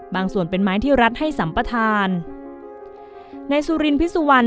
ส่วนเป็นไม้ที่รัฐให้สัมปทานในสุรินพิสุวรรณ